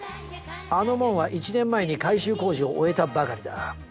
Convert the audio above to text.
あの門は１年前に改修工事を終えたばかりだ。